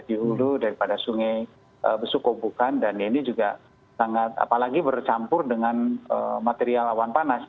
di hulu daripada sungai besukobukan dan ini juga sangat apalagi bercampur dengan material awan panas